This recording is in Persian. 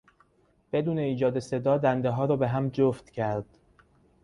بدون ایجاد صدا دندهها را به هم جفت کرد.